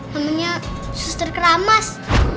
namanya suster keramas